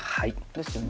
ですよね？